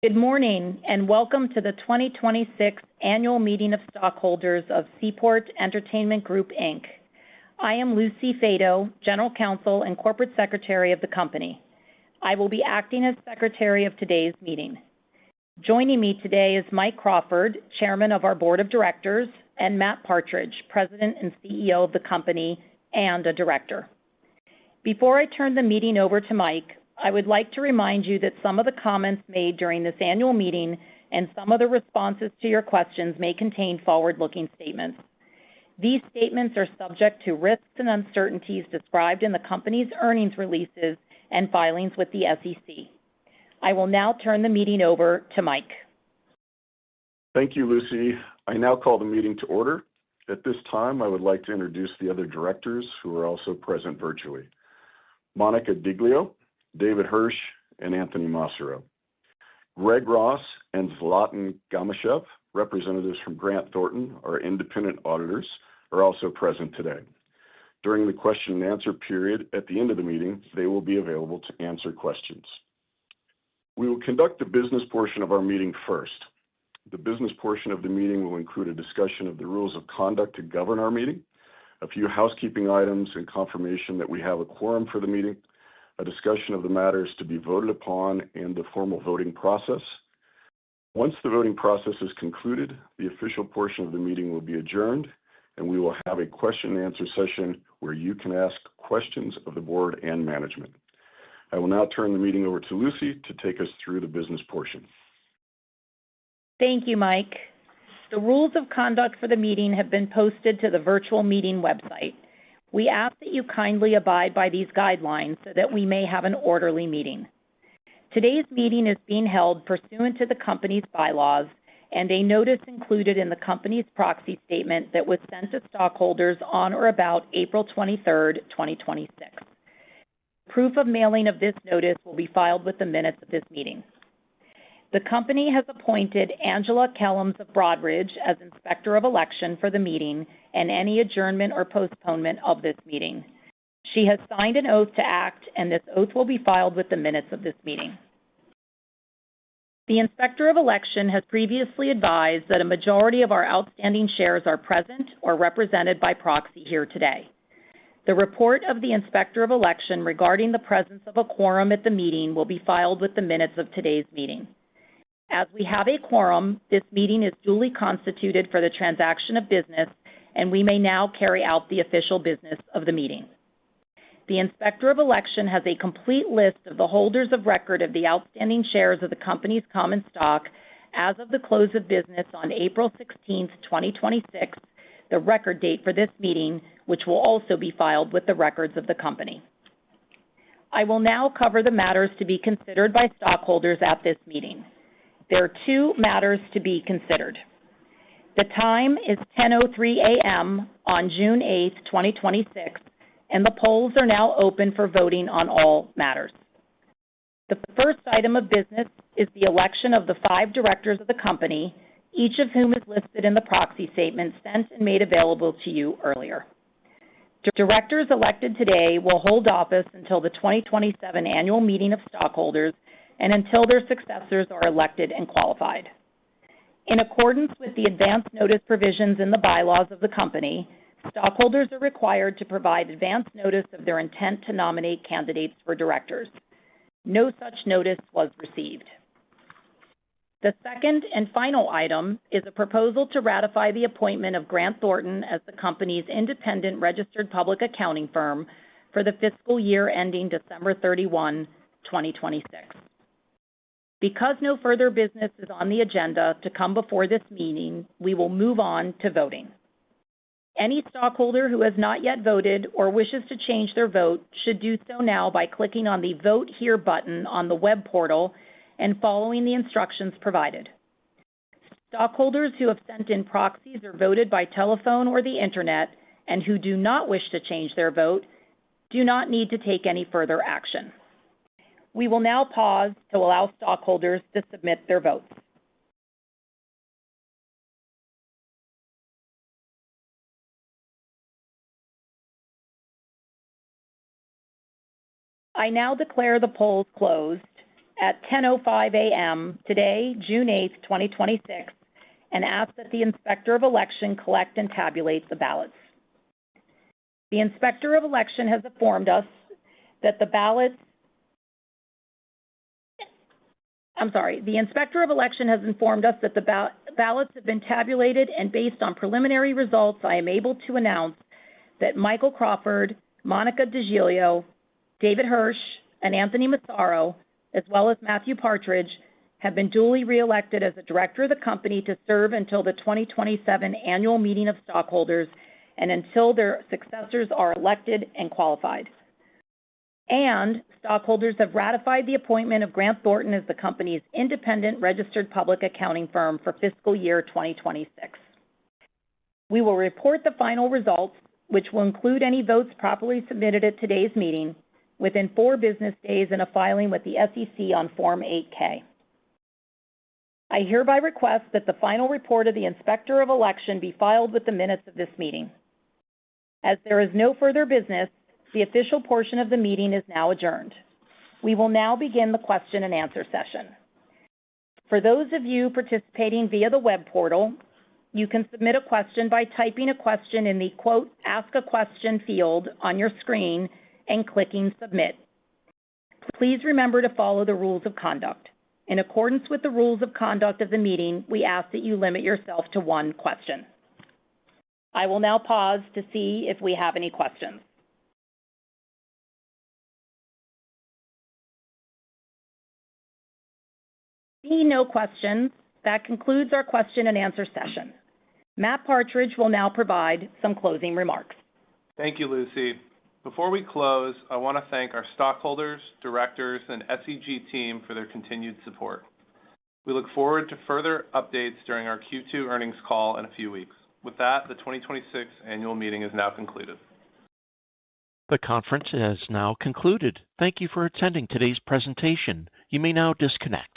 Good morning, welcome to the 2026 Annual Meeting of Stockholders of Seaport Entertainment Group Inc. I am Lucy Fato, General Counsel and Corporate Secretary of the company. I will be acting as Secretary of today's meeting. Joining me today is Mike Crawford, Chairman of our Board of Directors, and Matt Partridge, President and CEO of the company and a Director. Before I turn the meeting over to Mike, I would like to remind you that some of the comments made during this annual meeting, and some of the responses to your questions may contain forward-looking statements. These statements are subject to risks and uncertainties described in the company's earnings releases and filings with the SEC. I will now turn the meeting over to Mike. Thank you, Lucy. I now call the meeting to order. At this time, I would like to introduce the other Directors who are also present virtually. Monica Digilio, David Hirsh, and Anthony Massaro. Greg Ross and Zlatin Gamishev, representatives from Grant Thornton, our independent auditors, are also present today. During the question and answer period at the end of the meeting, they will be available to answer questions. We will conduct the business portion of our meeting first. The business portion of the meeting will include a discussion of the rules of conduct to govern our meeting, a few housekeeping items and confirmation that we have a quorum for the meeting, a discussion of the matters to be voted upon, and the formal voting process. Once the voting process is concluded, the official portion of the meeting will be adjourned, and we will have a question and answer session where you can ask questions of the Board and management. I will now turn the meeting over to Lucy to take us through the business portion. Thank you, Mike. The rules of conduct for the meeting have been posted to the virtual meeting website. We ask that you kindly abide by these guidelines so that we may have an orderly meeting. Today's meeting is being held pursuant to the company's bylaws and a notice included in the company's proxy statement that was sent to stockholders on or about April 23rd, 2026. Proof of mailing of this notice will be filed with the minutes of this meeting. The company has appointed Angela Kellams of Broadridge as Inspector of Election for the meeting and any adjournment or postponement of this meeting. She has signed an oath to act, and this oath will be filed with the minutes of this meeting. The Inspector of Election has previously advised that a majority of our outstanding shares are present or represented by proxy here today. The report of the Inspector of Election regarding the presence of a quorum at the meeting will be filed with the minutes of today's meeting. As we have a quorum, this meeting is duly constituted for the transaction of business, and we may now carry out the official business of the meeting. The Inspector of Election has a complete list of the holders of record of the outstanding shares of the company's common stock as of the close of business on April 16th, 2026, the record date for this meeting, which will also be filed with the records of the company. I will now cover the matters to be considered by stockholders at this meeting. There are two matters to be considered. The time is 10:03 A.M. on June 8th, 2026, and the polls are now open for voting on all matters. The first item of business is the election of the five directors of the company, each of whom is listed in the proxy statement sent and made available to you earlier. Directors elected today will hold office until the 2027 Annual Meeting of Stockholders and until their successors are elected and qualified. In accordance with the advance notice provisions in the bylaws of the company, stockholders are required to provide advance notice of their intent to nominate candidates for directors. No such notice was received. The second and final item is a proposal to ratify the appointment of Grant Thornton as the company's independent registered public accounting firm for the fiscal year ending December 31, 2026. Because no further business is on the agenda to come before this meeting, we will move on to voting. Any stockholder who has not yet voted or wishes to change their vote should do so now by clicking on the Vote Here button on the web portal and following the instructions provided. Stockholders who have sent in proxies or voted by telephone or the internet and who do not wish to change their vote do not need to take any further action. We will now pause to allow stockholders to submit their votes. I now declare the polls closed at 10:05 A.M. today, June 8th, 2026, and ask that the Inspector of Election collect and tabulate the ballots. The Inspector of Election has informed us that the ballots have been tabulated and based on preliminary results, I am able to announce that Michael Crawford, Monica Digilio, David Hirsh, and Anthony Massaro, as well as Matthew Partridge, have been duly reelected as a director of the company to serve until the 2027 Annual Meeting of Stockholders and until their successors are elected and qualified. Stockholders have ratified the appointment of Grant Thornton as the company's independent registered public accounting firm for fiscal year 2026. We will report the final results, which will include any votes properly submitted at today's meeting, within four business days in a filing with the SEC on Form 8-K. I hereby request that the final report of the Inspector of Election be filed with the minutes of this meeting. As there is no further business, the official portion of the meeting is now adjourned. We will now begin the question and answer session. For those of you participating via the web portal, you can submit a question by typing a question in the "Ask a Question" field on your screen and clicking Submit. Please remember to follow the rules of conduct. In accordance with the rules of conduct of the meeting, we ask that you limit yourself to one question. I will now pause to see if we have any questions. Seeing no questions, that concludes our question-and-answer session. Matt Partridge will now provide some closing remarks. Thank you, Lucy. Before we close, I want to thank our stockholders, directors, and SEG team for their continued support. We look forward to further updates during our Q2 earnings call in a few weeks. With that, the 2026 annual meeting is now concluded. The conference has now concluded. Thank you for attending today's presentation. You may now disconnect.